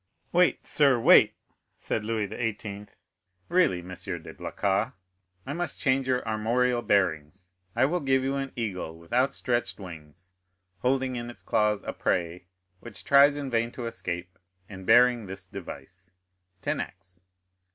"Wait, sir, wait," said Louis XVIII. "Really, M. de Blacas, I must change your armorial bearings; I will give you an eagle with outstretched wings, holding in its claws a prey which tries in vain to escape, and bearing this device—Tenax."